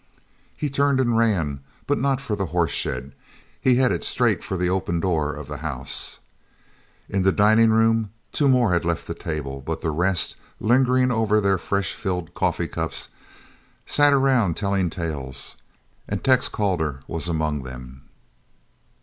He turned and ran, but not for the horse shed; he headed straight for the open door of the house. In the dining room two more had left the table, but the rest, lingering over their fresh filled coffee cups, sat around telling tales, and Tex Calder was among them.